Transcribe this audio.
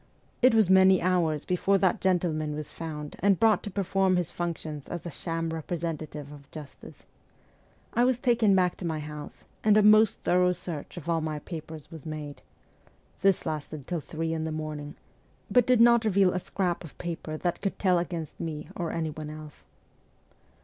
It was many hours before that gentleman was found and brought to perform his func tions as a sham representative of justice. I was taken back to my house, and a most thorough search of all my papers was made : this lasted till three in the morning, but did not reveal a scrap of paper that could tell against me or anyone else.